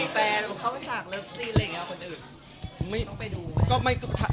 แฟนเขามาจากเลิฟซีนอะไรอย่างนี้คนอื่น